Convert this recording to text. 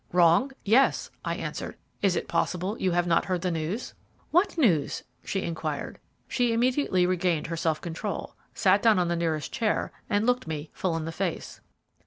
"Wrong? Yes," I answered. "Is it possible you have not heard the news?" "What news?" she inquired. She immediately regained her self control, sat down on the nearest chair, and looked me full in the face.